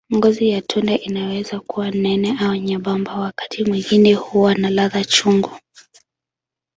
Ngozi ya tunda inaweza kuwa nene au nyembamba, wakati mwingine huwa na ladha chungu.